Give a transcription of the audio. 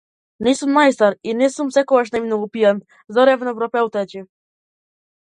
Не сум најстар и не сум секогаш најмногу пијан, здодевно пропелтечив.